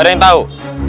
ada yang tau